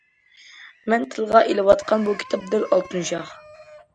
مەن تىلغا ئېلىۋاتقان بۇ كىتاب دەل« ئالتۇن شاخ».